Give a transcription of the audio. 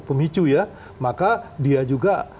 pemicu ya maka dia juga